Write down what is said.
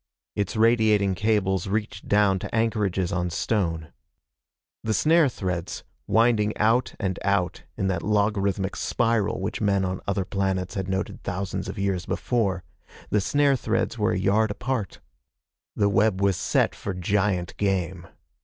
Its radiating cables reached down to anchorages on stone. The snare threads, winding out and out in that logarithmic spiral which men on other planets had noted thousands of years before the snare threads were a yard apart. The web was set for giant game.